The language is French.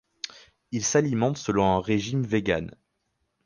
Il s'alimente selon un régime vegan.